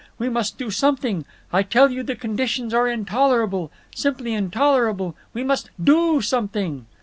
_ We must do something. I tell you the conditions are intolerable, simply intolerable. We must do something."